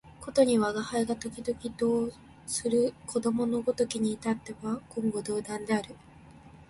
ことに吾輩が時々同衾する子供のごときに至っては言語道断である